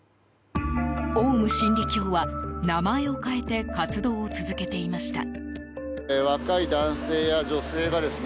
オウム真理教は名前を変えて活動を続けていました。